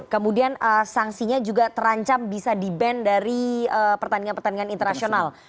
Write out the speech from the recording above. kemudian sanksinya juga terancam bisa di ban dari pertandingan pertandingan internasional